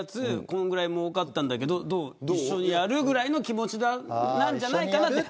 このぐらい儲かったんだけど一緒にやるぐらいの気持ちなんじゃないかなと。